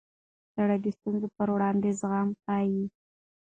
سړی د ستونزو پر وړاندې زغم ښيي